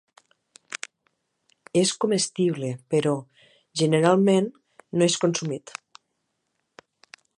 És comestible, però, generalment, no és consumit.